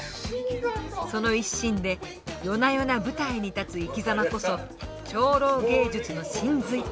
その一心で夜な夜な舞台に立つ生きざまこそ超老芸術の神髄なんでしょうね。